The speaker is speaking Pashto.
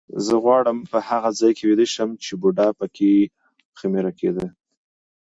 زه غواړم په هغه ځای کې ویده شم چې بوډا به پکې خمیر کېده.